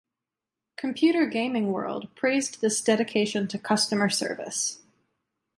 "Computer Gaming World" praised this dedication to customer service.